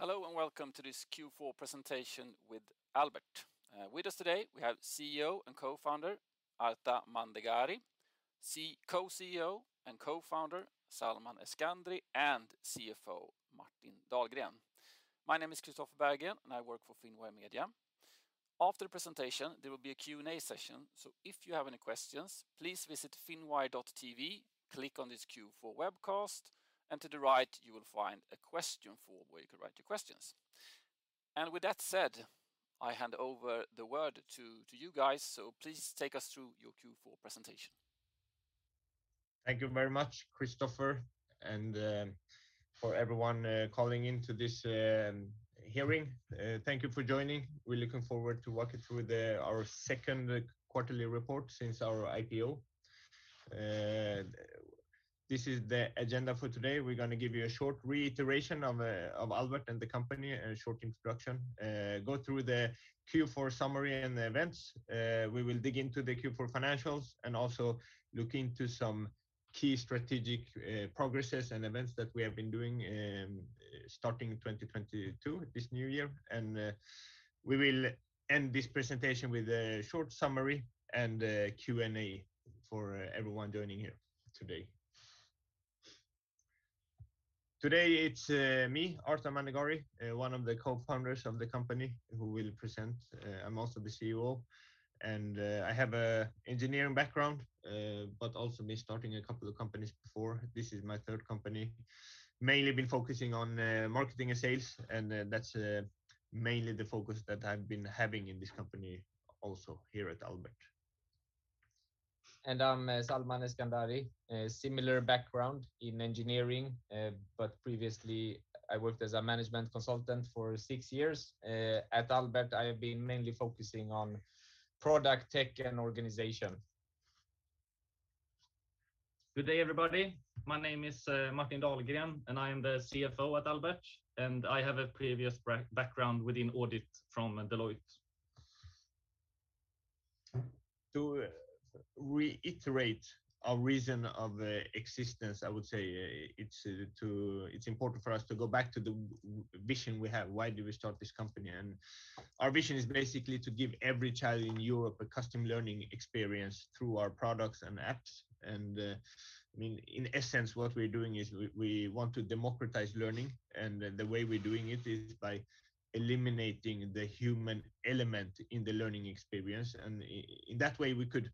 Hello, and welcome to this Q4 presentation with Albert. With us today we have CEO and co-founder Arta Mandegari, co-CEO and co-founder Salman Eskandari, and CFO Martin Dahlgren. My name is Christopher Berggren, and I work for Finwire Media. After the presentation, there will be a Q&A session. If you have any questions, please visit finwire.tv, click on this Q4 webcast, and to the right you will find a question form where you can write your questions. With that said, I hand over the word to you guys. Please take us through your Q4 presentation. Thank you very much, Christopher, and for everyone calling in to this hearing. Thank you for joining. We're looking forward to walk you through the our second quarterly report since our IPO. This is the agenda for today. We're gonna give you a short reiteration of Albert and the company, a short introduction. Go through the Q4 summary and the events. We will dig into the Q4 financials and also look into some key strategic progresses and events that we have been doing starting 2022, this new year. We will end this presentation with a short summary and a Q&A for everyone joining here today. Today, it's me, Arta Mandegari, one of the co-founders of the company, who will present. I'm also the CEO, and I have an engineering background, but also me starting a couple of companies before. This is my third company. Mainly been focusing on marketing and sales, and that's mainly the focus that I've been having in this company also here at Albert. I'm Salman Eskandari. Similar background in engineering, but previously I worked as a management consultant for six years. At Albert, I have been mainly focusing on product, tech, and organization. Good day, everybody. My name is Martin Dahlgren, and I am the CFO at Albert, and I have a previous background within audit from Deloitte. To reiterate our reason of existence, I would say it's important for us to go back to the vision we have. Why do we start this company? Our vision is basically to give every child in Europe a custom learning experience through our products and apps. I mean, in essence, what we're doing is we want to democratize learning, and the way we're doing it is by eliminating the human element in the learning experience. In that way, we could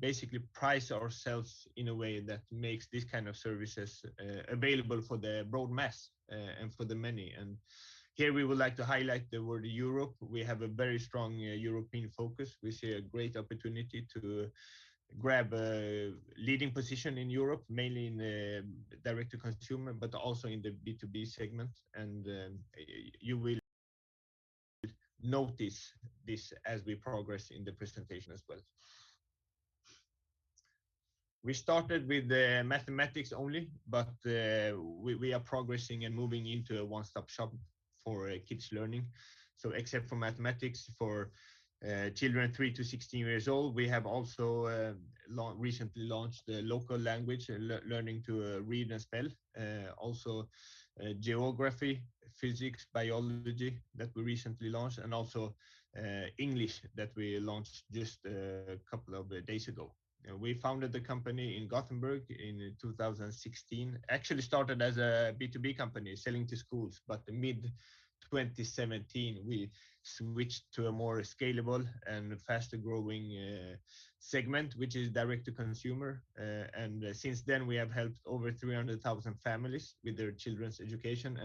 basically price ourselves in a way that makes these kind of services available for the broad mass and for the many. Here we would like to highlight the word Europe. We have a very strong European focus. We see a great opportunity to grab a leading position in Europe, mainly in direct to consumer, but also in the B2B segment. You will notice this as we progress in the presentation as well. We started with mathematics only, but we are progressing and moving into a one-stop shop for kids' learning. Except for mathematics for children 3 to 16 years old, we have also recently launched local language learning to read and spell. Also, geography, physics, biology that we recently launched, and also English that we launched just a couple of days ago. We founded the company in Gothenburg in 2016. Actually started as a B2B company selling to schools, but mid-2017, we switched to a more scalable and faster-growing segment, which is direct to consumer. Since then, we have helped over 300,000 families with their children's education.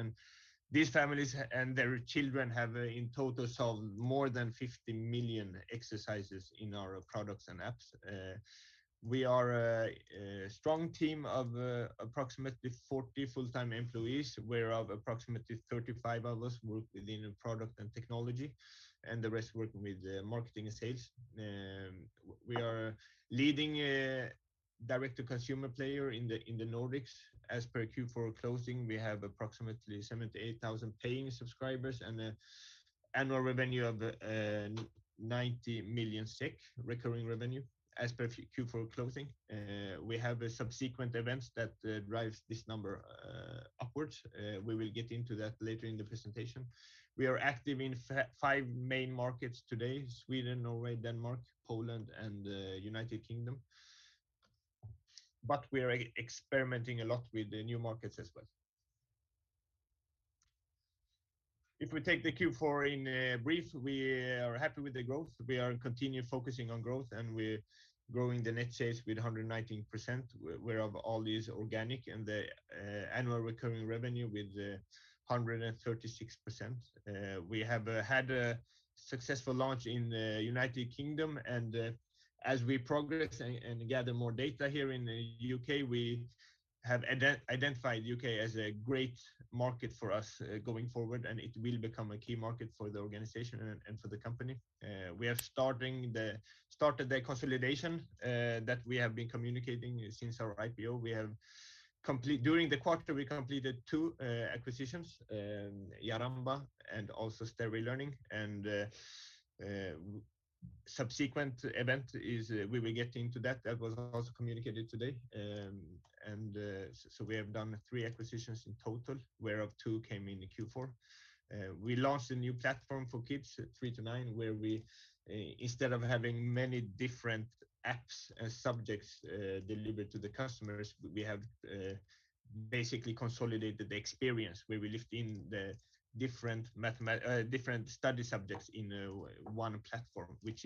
These families and their children have in total solved more than 50 million exercises in our products and apps. We are a strong team of approximately 40 full-time employees, whereof approximately 35 of us work within product and technology, and the rest work with marketing and sales. We are a leading direct-to-consumer player in the Nordics. As per Q4 closing, we have approximately 78,000 paying subscribers and an annual recurring revenue of SEK 90 million as per Q4 closing. We have subsequent events that drives this number upwards. We will get into that later in the presentation. We are active in five main markets today. Sweden, Norway, Denmark, Poland, and United Kingdom. We are experimenting a lot with the new markets as well. If we take the Q4 in brief, we are happy with the growth. We continue focusing on growth, and we're growing the net sales 119%, whereof all is organic, and the annual recurring revenue 136%. We have had a successful launch in the United Kingdom, and as we progress and gather more data here in the U.K., we have identified the U.K. as a great market for us going forward, and it will become a key market for the organization and for the company. We started the consolidation that we have been communicating since our IPO. During the quarter, we completed two acquisitions, Jaramba and Stairway Learning. Subsequent event is, we will get into that. That was also communicated today. We have done three acquisitions in total, whereof two came in Q4. We launched a new platform for kids three to nine, where we, instead of having many different apps and subjects delivered to the customers, have basically consolidated the experience where we lift in the different study subjects in one platform, which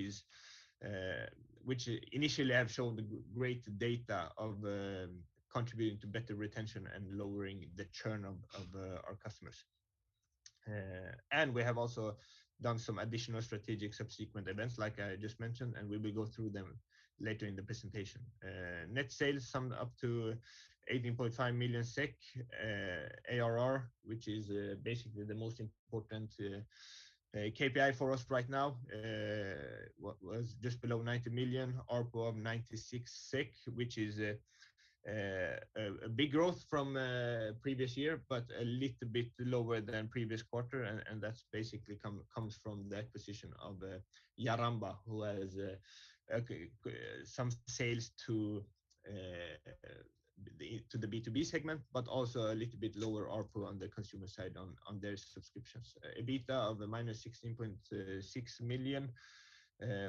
initially have shown great data of contributing to better retention and lowering the churn of our customers. We have also done some additional strategic subsequent events, like I just mentioned, and we will go through them later in the presentation. Net sales summed up to 18.5 million SEK. ARR, which is basically the most important KPI for us right now, was just below 90 million. ARPU of 96 SEK, which is a big growth from previous year, but a little bit lower than previous quarter, and that basically comes from the acquisition of Jaramba, who has some sales to the B2B segment, but also a little bit lower ARPU on the consumer side on their subscriptions. EBITDA of -16.6 million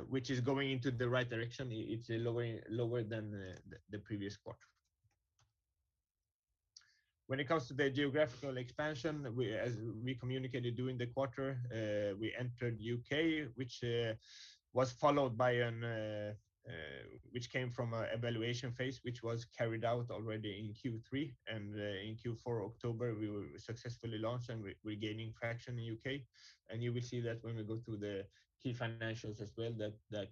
which is going into the right direction. It's lower than the previous quarter. When it comes to the geographical expansion, as we communicated during the quarter, we entered U.K., which came from an evaluation phase, which was carried out already in Q3, and in Q4, October, we were successfully launched, and we're gaining traction in U.K. You will see that when we go through the key financials as well, that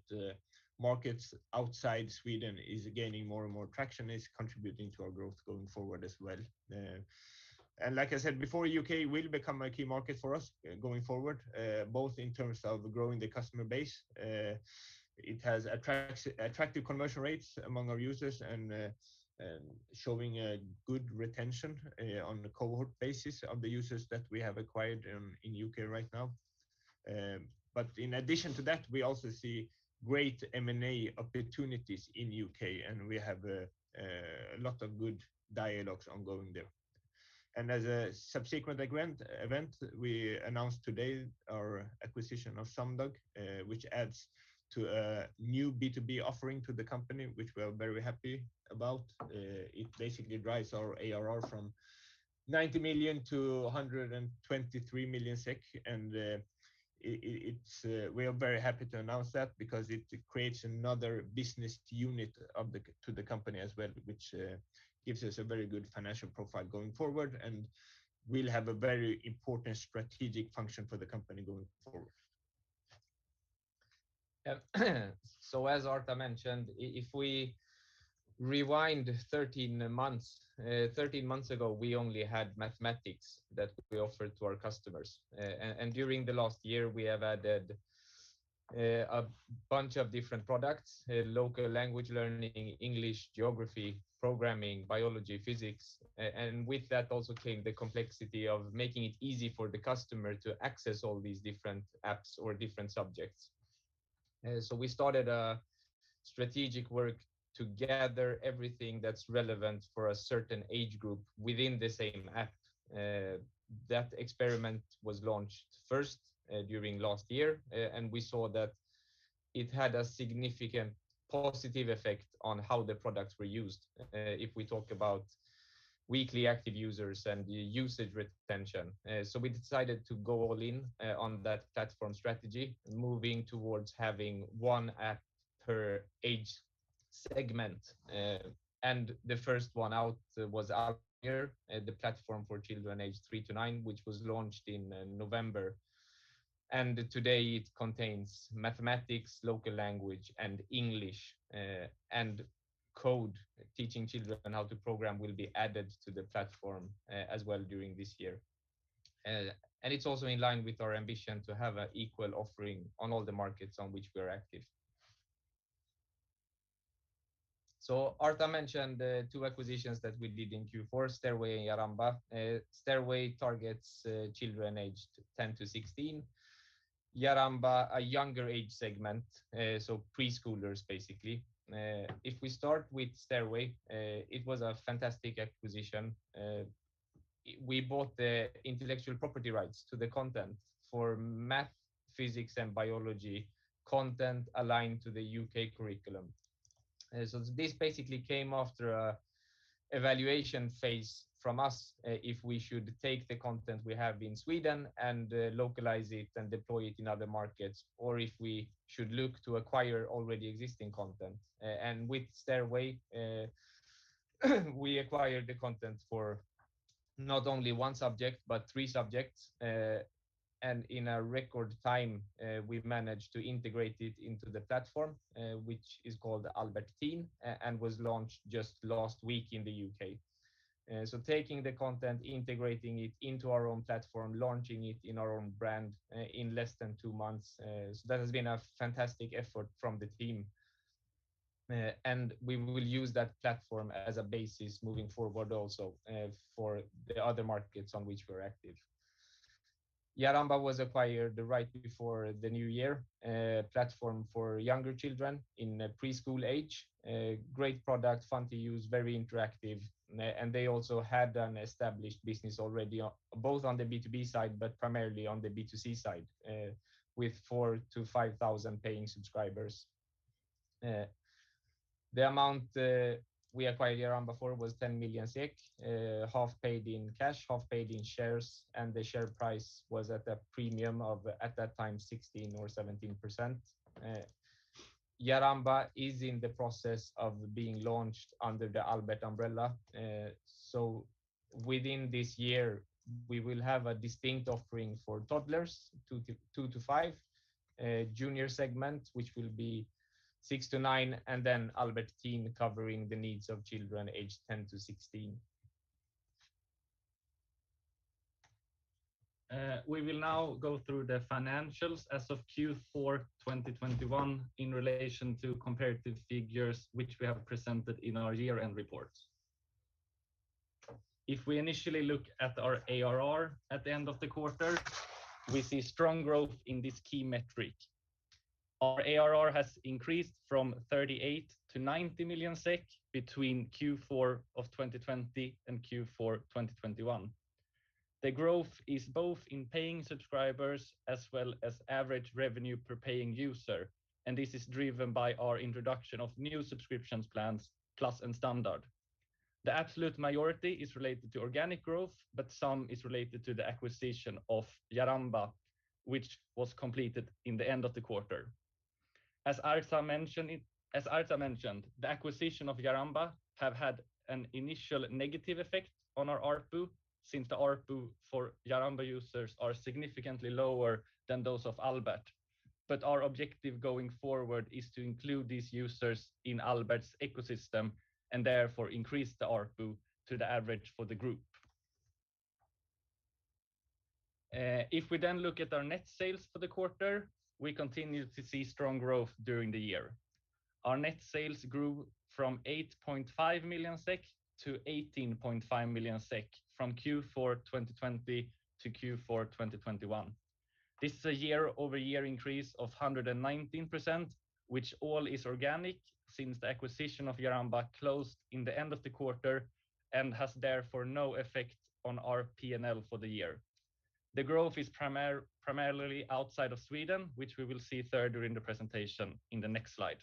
markets outside Sweden is gaining more and more traction. It's contributing to our growth going forward as well. Like I said before, U.K. will become a key market for us going forward, both in terms of growing the customer base. It has attractive conversion rates among our users and showing a good retention on the cohort basis of the users that we have acquired in U.K. right now. In addition to that, we also see great M&A opportunities in U.K., and we have a lot of good dialogues ongoing there. As a subsequent event, we announced today our acquisition of Sumdog, which adds a new B2B offering to the company, which we are very happy about. It basically drives our ARR from 90 million-123 million SEK, and we are very happy to announce that because it creates another business unit to the company as well, which gives us a very good financial profile going forward and will have a very important strategic function for the company going forward. As Arta mentioned, if we rewind 13 months ago, we only had Mathematics that we offered to our customers. During the last year, we have added a bunch of different products, local language learning, English, geography, programming, biology, physics. With that also came the complexity of making it easy for the customer to access all these different apps or different subjects. We started a strategic work to gather everything that's relevant for a certain age group within the same app. That experiment was launched first during last year. We saw that it had a significant positive effect on how the products were used, if we talk about weekly active users and usage retention. We decided to go all in on that platform strategy, moving towards having one app per age segment. The first one out was Albert, the platform for children aged three to nine, which was launched in November. Today it contains mathematics, local language and English, and code. Teaching children how to program will be added to the platform, as well during this year. It's also in line with our ambition to have an equal offering on all the markets on which we are active. Arta mentioned the two acquisitions that we did in Q4, Stairway and Jaramba. Stairway targets children aged 10 to 16. Jaramba, a younger age segment, so preschoolers basically. If we start with Stairway, it was a fantastic acquisition. We bought the intellectual property rights to the content for math, physics, and biology content aligned to the U.K. curriculum. This basically came after an evaluation phase from us, if we should take the content we have in Sweden and localize it and deploy it in other markets, or if we should look to acquire already existing content. With Stairway, we acquired the content for not only one subject, but three subjects. In a record time, we've managed to integrate it into the platform, which is called Albert Teen, and was launched just last week in the U.K. Taking the content, integrating it into our own platform, launching it in our own brand in less than two months, that has been a fantastic effort from the team. We will use that platform as a basis moving forward also for the other markets on which we're active. Jaramba was acquired right before the new year, a platform for younger children in preschool age. Great product, fun to use, very interactive. They also had an established business already on both the B2B side, but primarily on the B2C side, with 4,000-5,000 paying subscribers. The amount we acquired Jaramba for was 10 million, half paid in cash, half paid in shares, and the share price was at a premium of, at that time, 16% or 17%. Jaramba is in the process of being launched under the Albert umbrella. Within this year, we will have a distinct offering for toddlers, two to five junior segment, which will be six to nine, and then Albert Teen covering the needs of children aged 10-16. We will now go through the financials as of Q4 2021 in relation to comparative figures which we have presented in our year-end reports. If we initially look at our ARR at the end of the quarter, we see strong growth in this key metric. Our ARR has increased from 38 million-90 million SEK between Q4 of 2020 and Q4 2021. The growth is both in paying subscribers as well as average revenue per paying user, and this is driven by our introduction of new subscriptions plans, Plus and Standard. The absolute majority is related to organic growth, but some is related to the acquisition of Jaramba, which was completed in the end of the quarter. As Arta mentioned, the acquisition of Jaramba have had an initial negative effect on our ARPU since the ARPU for Jaramba users are significantly lower than those of Albert. Our objective going forward is to include these users in Albert's ecosystem, and therefore increase the ARPU to the average for the group. If we then look at our net sales for the quarter, we continue to see strong growth during the year. Our net sales grew from 8.5 million-18.5 million SEK from Q4 2020-Q4 2021. This is a year-over-year increase of 119%, which all is organic since the acquisition of Jaramba closed in the end of the quarter and has therefore no effect on our P&L for the year. The growth is primarily outside of Sweden, which we will see further in the presentation in the next slide.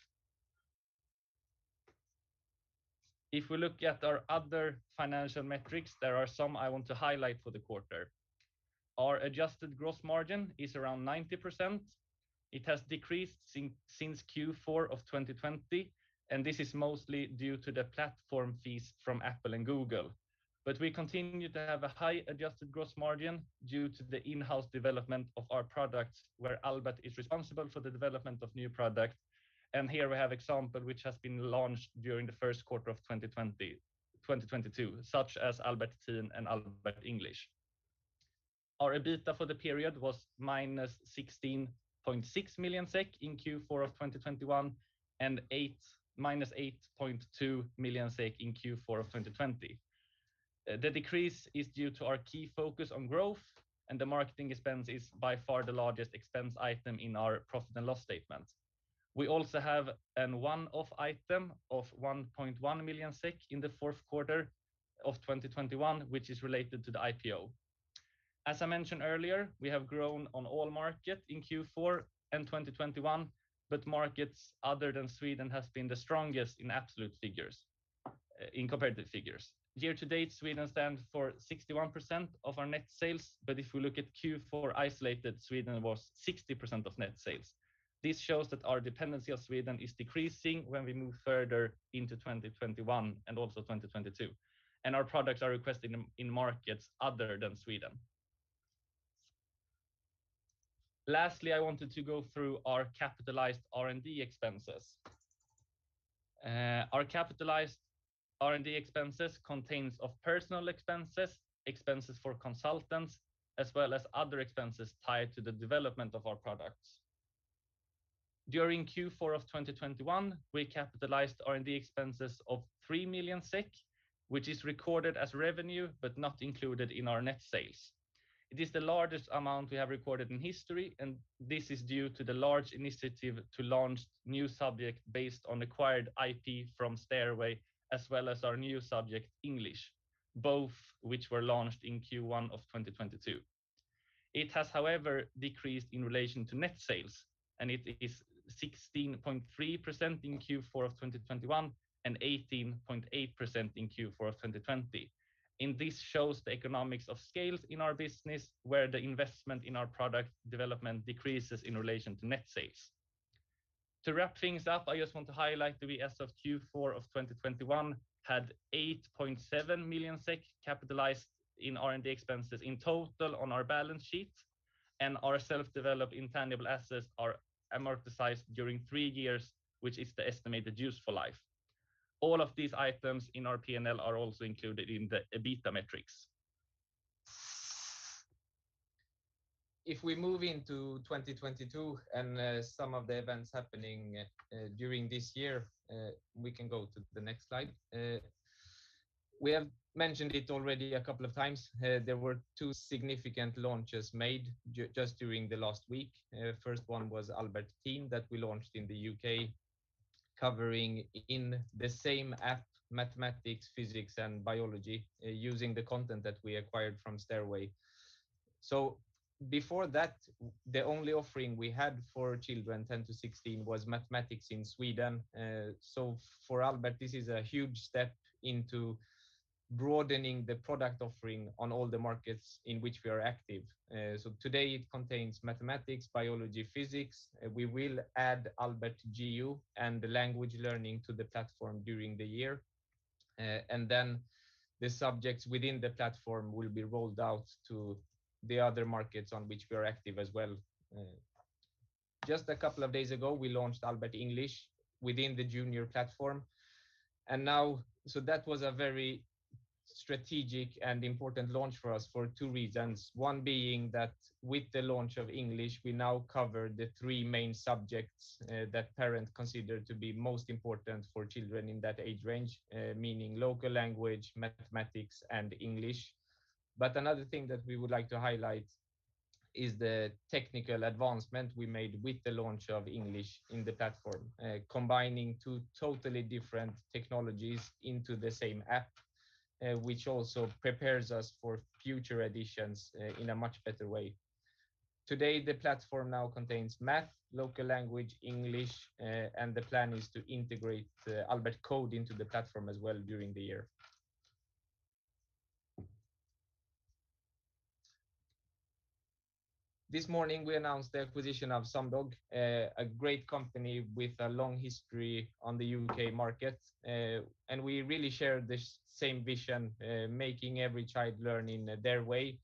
If we look at our other financial metrics, there are some I want to highlight for the quarter. Our adjusted gross margin is around 90%. It has decreased since Q4 of 2020, and this is mostly due to the platform fees from Apple and Google. We continue to have a high adjusted gross margin due to the in-house development of our products, where Albert is responsible for the development of new products. Here we have examples which have been launched during the first quarter of 2022, such as Albert Teen and Albert English. Our EBITDA for the period was -16.6 million SEK in Q4 of 2021, and -8.2 million SEK in Q4 of 2020. The decrease is due to our key focus on growth, and the marketing expense is by far the largest expense item in our profit and loss statement. We also have a one-off item of 1.1 million SEK in the fourth quarter of 2021, which is related to the IPO. As I mentioned earlier, we have grown in all markets in Q4 of 2021, but markets other than Sweden have been the strongest in absolute and comparative figures. Year to date, Sweden stands for 61% of our net sales, but if we look at Q4 isolated, Sweden was 60% of net sales. This shows that our dependency on Sweden is decreasing when we move further into 2021 and also 2022, and our products are requested in markets other than Sweden. Lastly, I wanted to go through our capitalized R&D expenses. Our capitalized R&D expenses consists of personal expenses for consultants, as well as other expenses tied to the development of our products. During Q4 of 2021, we capitalized R&D expenses of 3 million SEK, which is recorded as revenue but not included in our net sales. It is the largest amount we have recorded in history, and this is due to the large initiative to launch new subject based on acquired IP from Stairway, as well as our new subject, English, both which were launched in Q1 of 2022. It has, however, decreased in relation to net sales, and it is 16.3% in Q4 of 2021 and 18.8% in Q4 of 2020. This shows the economies of scale in our business, where the investment in our product development decreases in relation to net sales. To wrap things up, I just want to highlight that we as of Q4 of 2021 had 8.7 million SEK capitalized in R&D expenses in total on our balance sheet, and our self-developed intangible assets are amortized during three years, which is the estimated useful life. All of these items in our P&L are also included in the EBITDA metrics. If we move into 2022 and some of the events happening during this year, we can go to the next slide. We have mentioned it already a couple of times. There were two significant launches made just during the last week. First one was Albert Teen that we launched in the U.K., covering in the same app mathematics, physics and biology, using the content that we acquired from Stairway. Before that, the only offering we had for children 10-16 was mathematics in Sweden. For Albert, this is a huge step into broadening the product offering on all the markets in which we are active. Today it contains mathematics, biology, physics. We will add Albert Geo and the language learning to the platform during the year. The subjects within the platform will be rolled out to the other markets on which we are active as well. Just a couple of days ago, we launched Albert English within the junior platform. That was a very strategic and important launch for us for two reasons. One being that with the launch of English, we now cover the three main subjects that parents consider to be most important for children in that age range, meaning local language, mathematics and English. Another thing that we would like to highlight is the technical advancement we made with the launch of English in the platform. Combining two totally different technologies into the same app, which also prepares us for future editions in a much better way. Today, the platform now contains math, local language, English, and the plan is to integrate the Albert Code into the platform as well during the year. This morning we announced the acquisition of Sumdog, a great company with a long history on the U.K. market. We really share this same vision, making every child learn in their way,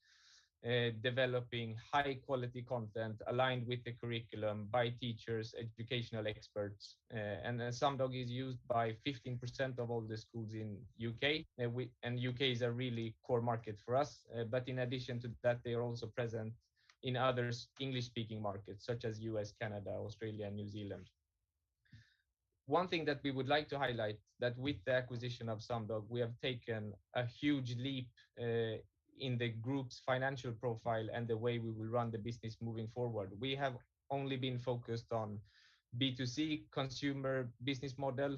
developing high quality content aligned with the curriculum by teachers, educational experts. Sumdog is used by 15% of all the schools in U.K. U.K. is a really core market for us. But in addition to that, they are also present in other English-speaking markets such as U.S., Canada, Australia, and New Zealand. One thing that we would like to highlight, that with the acquisition of Sumdog, we have taken a huge leap in the group's financial profile and the way we will run the business moving forward. We have only been focused on B2C consumer business model.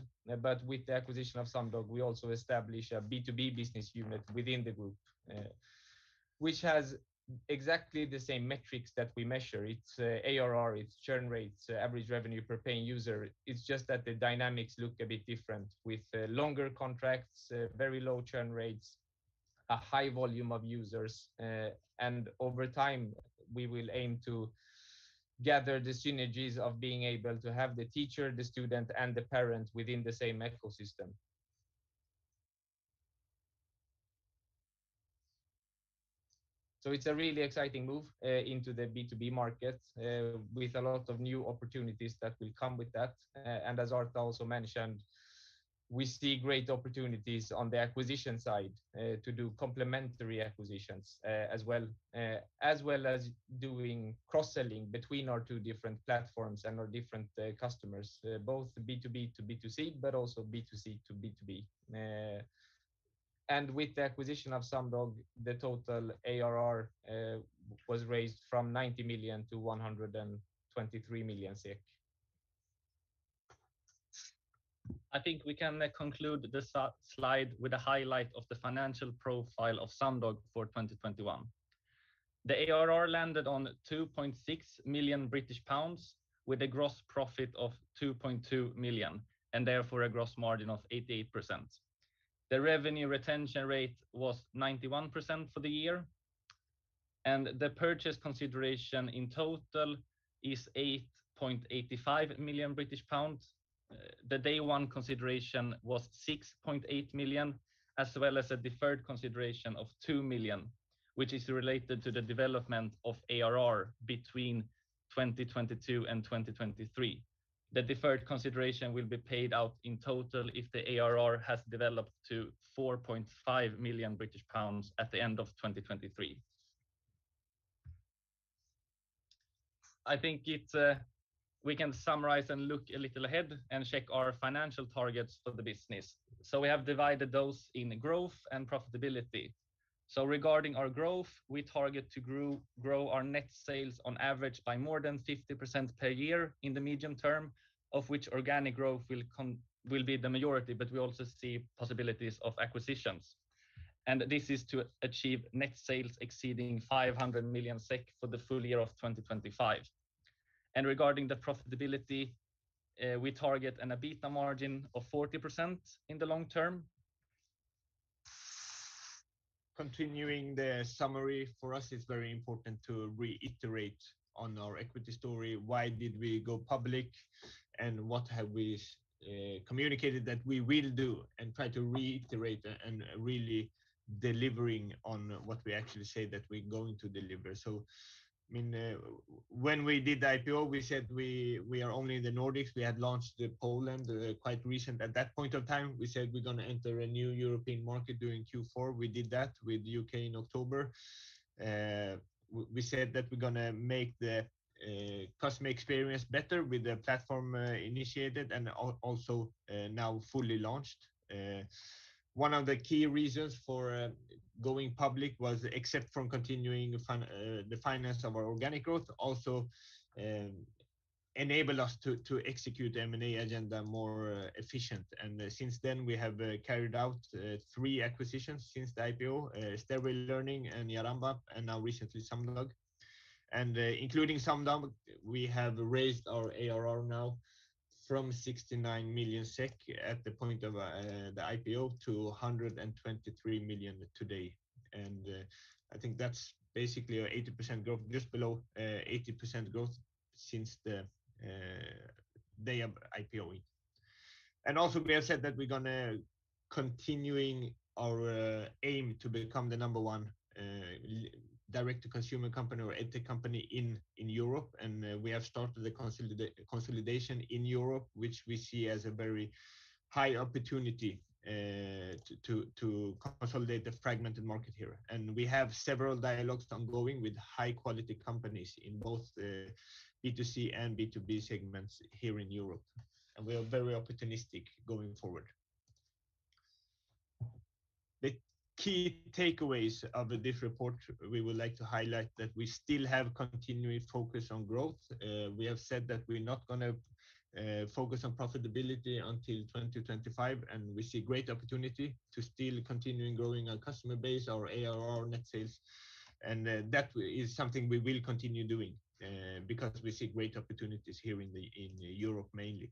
With the acquisition of Sumdog, we also establish a B2B business unit within the group, which has exactly the same metrics that we measure. It's ARR, it's churn rates, average revenue per paying user. It's just that the dynamics look a bit different with longer contracts, very low churn rates, a high volume of users. Over time, we will aim to gather the synergies of being able to have the teacher, the student, and the parent within the same ecosystem. It's a really exciting move into the B2B market with a lot of new opportunities that will come with that. As Art also mentioned, we see great opportunities on the acquisition side to do complementary acquisitions as well as doing cross-selling between our two different platforms and our different customers both B2B-B2C, but also B2C-B2B. With the acquisition of Sumdog, the total ARR was raised from SEK 90 million-SEK 123 million. I think we can conclude this slide with a highlight of the financial profile of Sumdog for 2021. The ARR landed on 2.6 million British pounds with a gross profit of 2.2 million, and therefore a gross margin of 88%. The revenue retention rate was 91% for the year, and the purchase consideration in total is 8.85 million British pounds. The day one consideration was 6.8 million, as well as a deferred consideration of 2 million, which is related to the development of ARR between 2022 and 2023. The deferred consideration will be paid out in total if the ARR has developed to 4.5 million British pounds at the end of 2023. I think we can summarize and look a little ahead and check our financial targets for the business. We have divided those in growth and profitability. Regarding our growth, we target to grow our net sales on average by more than 50% per year in the medium term, of which organic growth will be the majority, but we also see possibilities of acquisitions. This is to achieve net sales exceeding 500 million SEK for the full year of 2025. Regarding the profitability, we target an EBITDA margin of 40% in the long term. Continuing the summary, for us it's very important to reiterate on our equity story. Why did we go public, and what have we We communicated that we will do and try to reiterate and really delivering on what we actually say that we're going to deliver. I mean, when we did the IPO, we said we are only in the Nordics. We had launched Poland quite recently at that point of time. We said we're gonna enter a new European market during Q4. We did that with U.K. in October. We said that we're gonna make the customer experience better with the platform, initiated and also now fully launched. One of the key reasons for going public was except from continuing funding, the financing of our organic growth, also enable us to execute the M&A agenda more efficiently. Since then, we have carried out three acquisitions since the IPO, Stairway Learning and Jaramba, and now recently Sumdog. Including Sumdog, we have raised our ARR now from 69 million SEK at the point of the IPO to 123 million today. I think that's basically an 80% growth, just below 80% growth since the day of IPOing. Also, we have said that we're gonna continuing our aim to become the number one direct-to-consumer company or edtech company in Europe. We have started the consolidation in Europe, which we see as a very high opportunity to consolidate the fragmented market here. We have several dialogues ongoing with high-quality companies in both B2C and B2B segments here in Europe. We are very opportunistic going forward. The key takeaways of the diff report, we would like to highlight that we still have continuing focus on growth. We have said that we're not gonna focus on profitability until 2025, and we see great opportunity to still continue growing our customer base, our ARR net sales. That is something we will continue doing, because we see great opportunities here in Europe mainly.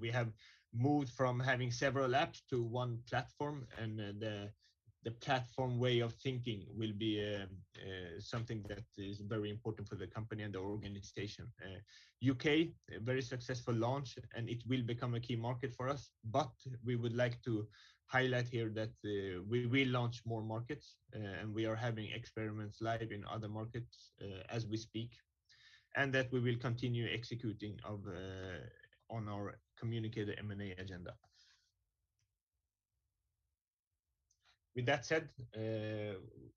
We have moved from having several apps to one platform, and the platform way of thinking will be something that is very important for the company and the organization. U.K., a very successful launch, and it will become a key market for us. We would like to highlight here that we will launch more markets, and we are having experiments live in other markets as we speak, and that we will continue executing on our communicated M&A agenda. With that said,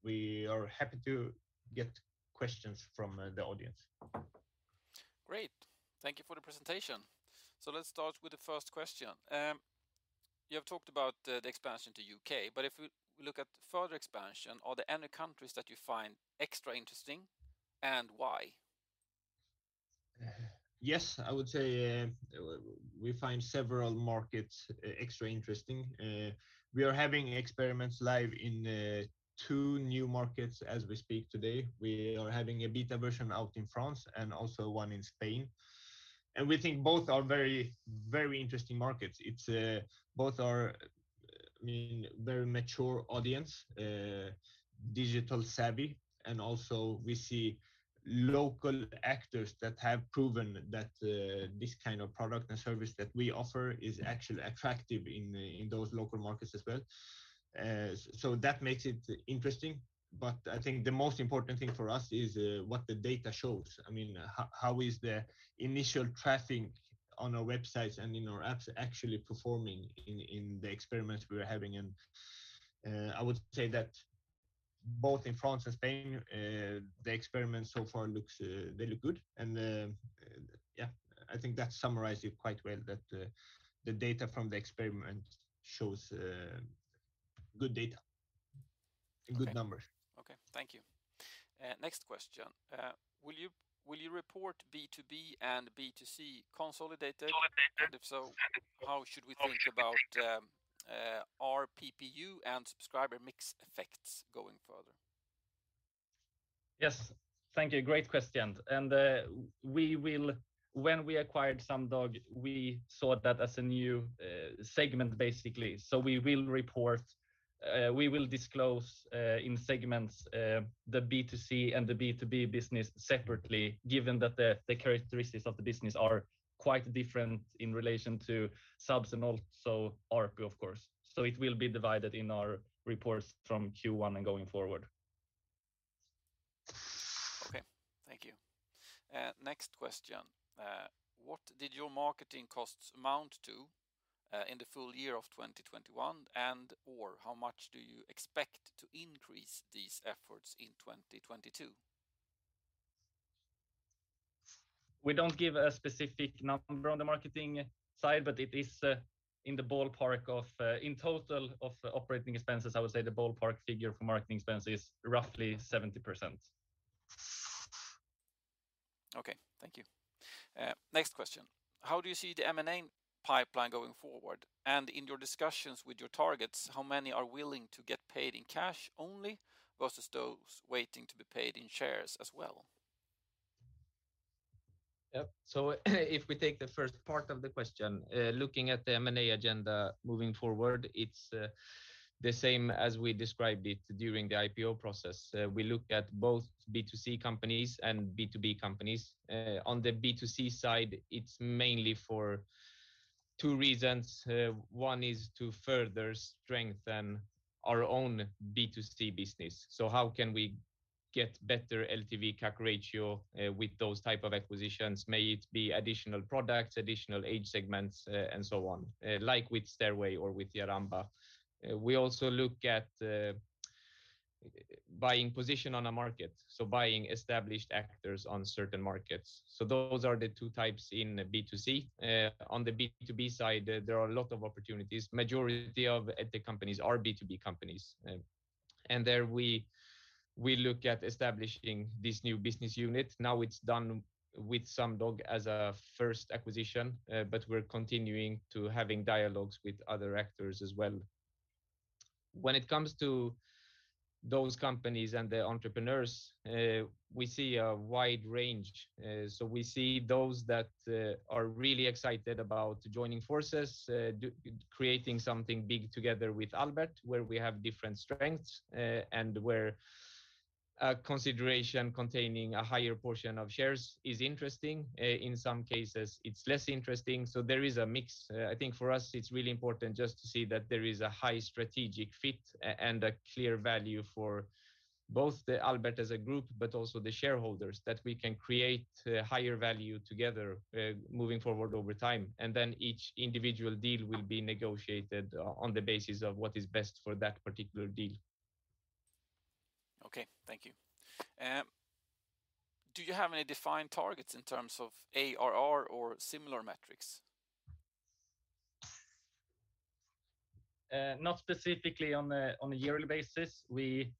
we are happy to get questions from the audience. Great. Thank you for the presentation. Let's start with the first question. You have talked about the expansion to U.K., but if we look at further expansion, are there any countries that you find extra interesting, and why? Yes, I would say we find several markets extra interesting. We are having experiments live in two new markets as we speak today. We are having a beta version out in France and also one in Spain. We think both are very, very interesting markets. It's both are, I mean, very mature audience, digital savvy, and also we see local actors that have proven that this kind of product and service that we offer is actually attractive in those local markets as well. So that makes it interesting. I think the most important thing for us is what the data shows. I mean, how is the initial traffic on our websites and in our apps actually performing in the experiments we are having? I would say that both in France and Spain, the experiments so far look good. Yeah, I think that summarizes it quite well, that the data from the experiment shows good data and good numbers. Okay. Thank you. Next question. Will you report B2B and B2C consolidated? If so, how should we think about our PPU and subscriber mix effects going further? Yes. Thank you. Great question. When we acquired Sumdog, we saw that as a new segment, basically. We will disclose in segments the B2C and the B2B business separately, given that the characteristics of the business are quite different in relation to subs and also ARPU, of course. It will be divided in our reports from Q1 and going forward. Okay. Thank you. Next question. What did your marketing costs amount to in the full year of 2021? And/or how much do you expect to increase these efforts in 2022? We don't give a specific number on the marketing side, but it is in the ballpark of in total of operating expenses. I would say the ballpark figure for marketing expense is roughly 70%. Okay. Thank you. Next question. How do you see the M&A pipeline going forward? In your discussions with your targets, how many are willing to get paid in cash only versus those waiting to be paid in shares as well? Yep. If we take the first part of the question, looking at the M&A agenda moving forward, it's The same as we described it during the IPO process. We look at both B2C companies and B2B companies. On the B2C side, it's mainly for two reasons. One is to further strengthen our own B2C business. How can we get better LTV/CAC ratio, with those type of acquisitions? May it be additional products, additional age segments, and so on, like with Stairway or with Jaramba. We also look at buying position on a market, so buying established actors on certain markets. Those are the two types in B2C. On the B2B side, there are a lot of opportunities. Majority of edtech companies are B2B companies. There we look at establishing this new business unit. Now it's done with Sumdog as a first acquisition, but we're continuing to having dialogues with other actors as well. When it comes to those companies and the entrepreneurs, we see a wide range. We see those that are really excited about joining forces, creating something big together with Albert, where we have different strengths, and where a consideration containing a higher portion of shares is interesting. In some cases it's less interesting. There is a mix. I think for us it's really important just to see that there is a high strategic fit and a clear value for both the Albert as a group, but also the shareholders, that we can create higher value together, moving forward over time. Each individual deal will be negotiated on the basis of what is best for that particular deal. Okay, thank you. Do you have any defined targets in terms of ARR or similar metrics? Not specifically on a yearly basis. We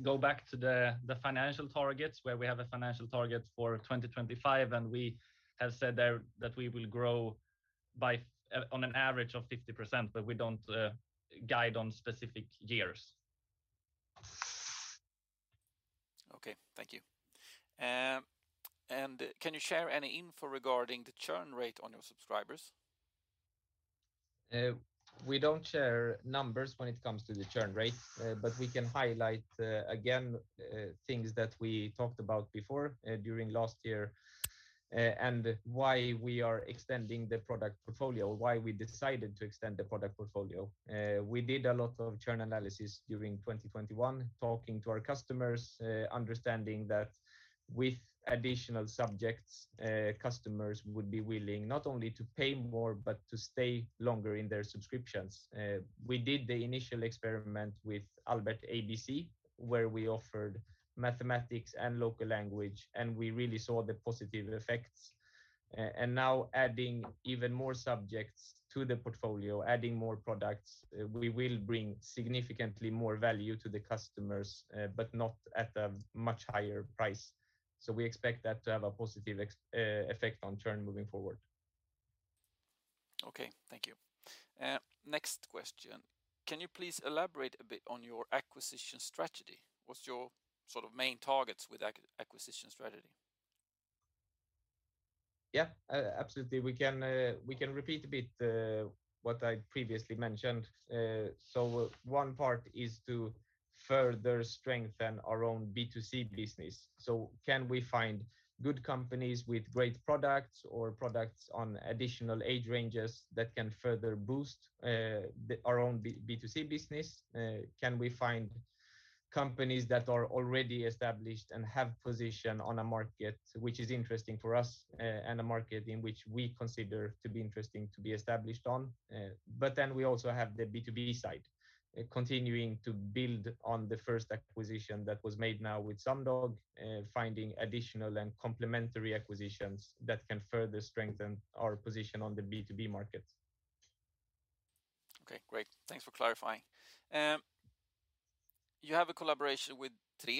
go back to the financial targets where we have a financial target for 2025. We have said there that we will grow on an average of 50%. We don't guide on specific years. Okay, thank you. Can you share any info regarding the churn rate on your subscribers? We don't share numbers when it comes to the churn rate, but we can highlight, again, things that we talked about before, during last year, and why we are extending the product portfolio, why we decided to extend the product portfolio. We did a lot of churn analysis during 2021, talking to our customers, understanding that with additional subjects, customers would be willing not only to pay more, but to stay longer in their subscriptions. We did the initial experiment with Albert ABC, where we offered mathematics and local language, and we really saw the positive effects. Now adding even more subjects to the portfolio, adding more products, we will bring significantly more value to the customers, but not at a much higher price. We expect that to have a positive effect on churn moving forward. Okay, thank you. Next question. Can you please elaborate a bit on your acquisition strategy? What's your sort of main targets with acquisition strategy? Yeah, absolutely. We can repeat a bit what I previously mentioned. One part is to further strengthen our own B2C business. Can we find good companies with great products or products on additional age ranges that can further boost our own B2C business? Can we find companies that are already established and have position on a market which is interesting for us and a market in which we consider to be interesting to be established on? We also have the B2B side, continuing to build on the first acquisition that was made now with Sumdog, finding additional and complementary acquisitions that can further strengthen our position on the B2B market. Okay, great. Thanks for clarifying. You have a collaboration with Tre.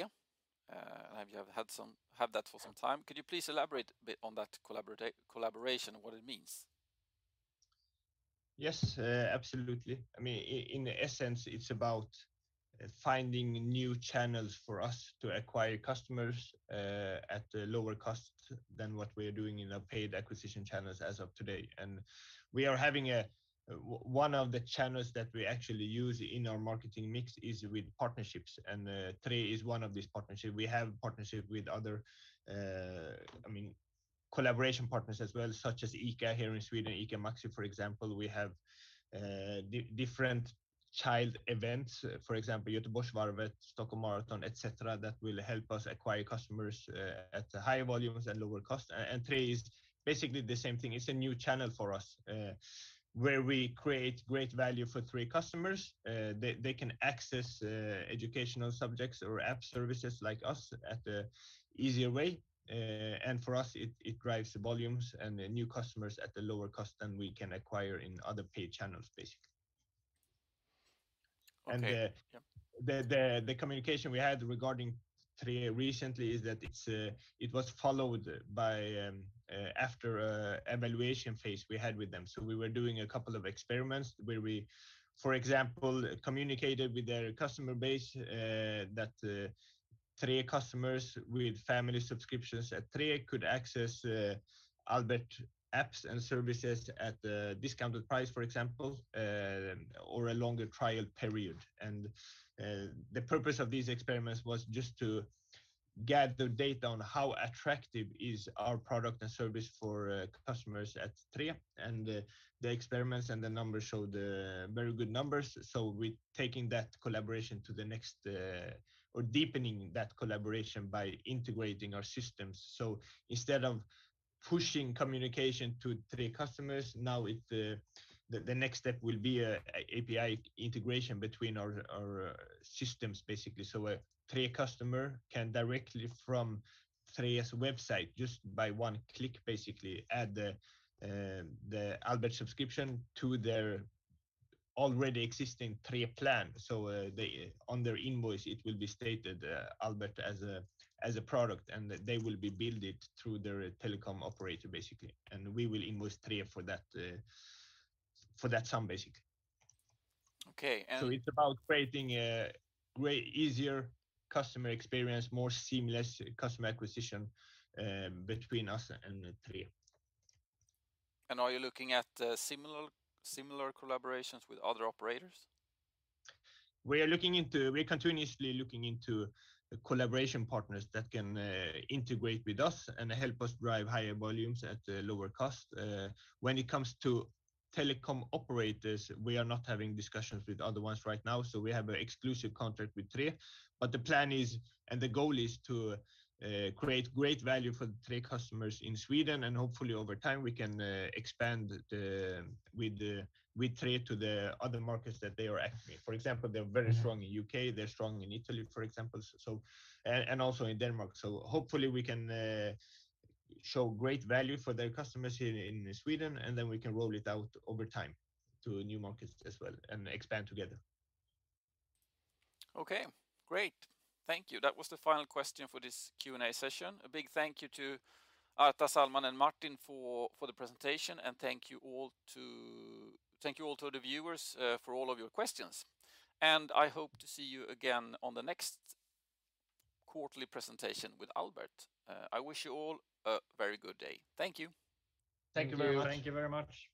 You have had that for some time. Could you please elaborate a bit on that collaboration and what it means? Yes, absolutely. I mean, in essence, it's about finding new channels for us to acquire customers at a lower cost than what we are doing in our paid acquisition channels as of today. One of the channels that we actually use in our marketing mix is with partnerships, and Tre is one of these partnerships. We have partnership with other, I mean, collaboration partners as well, such as ICA here in Sweden, ICA Maxi, for example. We have different child events, for example, Göteborgsvarvet, Stockholm Marathon, et cetera, that will help us acquire customers at higher volumes and lower cost. Tre is basically the same thing. It's a new channel for us where we create great value for Tre customers. They can access educational subjects or app services like us in an easier way. for us, it drives the volumes and the new customers at a lower cost than we can acquire in other paid channels, basically. Okay. Yep. The communication we had regarding Tre recently is that it was followed by, after an evaluation phase we had with them. We were doing a couple of experiments where we, for example, communicated with their customer base. Three customers with family subscriptions at Tre could access Albert apps and services at a discounted price, for example, or a longer trial period. The purpose of these experiments was just to gather data on how attractive is our product and service for customers at Tre. The experiments and the numbers showed very good numbers, so we're deepening that collaboration by integrating our systems. Instead of pushing communication to Tre customers, now the next step will be a API integration between our systems, basically. A Tre customer can directly from Tre's website, just by one click, basically add the Albert subscription to their already existing Tre plan. They, on their invoice, it will be stated, Albert as a product and they will be billed it through their telecom operator, basically, and we will invoice Tre for that sum, basically. Okay. It's about creating a way easier customer experience, more seamless customer acquisition, between us and Tre. Are you looking at similar collaborations with other operators? We're continuously looking into collaboration partners that can integrate with us and help us drive higher volumes at a lower cost. When it comes to telecom operators, we are not having discussions with other ones right now, so we have an exclusive contract with Tre. The plan is, and the goal is, to create great value for Tre customers in Sweden, and hopefully over time we can expand with Tre to the other markets that they are active in. For example, they're very strong in U.K., they're strong in Italy, for example, and also in Denmark. Hopefully we can show great value for their customers here in Sweden, and then we can roll it out over time to new markets as well and expand together. Okay, great. Thank you. That was the final question for this Q&A session. A big thank you to Arta, Salman, and Martin for the presentation, and thank you all to the viewers for all of your questions. I hope to see you again on the next quarterly presentation with Albert. I wish you all a very good day. Thank you. Thank you very much. Thank you. Thank you very much.